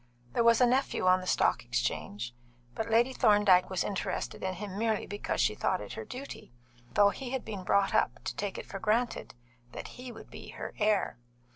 There was a nephew on the Stock Exchange, but Lady Thorndyke was interested in him merely because she thought it her duty, though he had been brought up to take it for granted that he would be her heir.